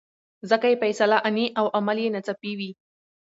ځکه یې فیصله آني او عمل یې ناڅاپي وي.